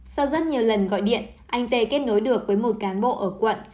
sau rất nhiều lần gọi điện anh tê kết nối được với một cán bộ ở quận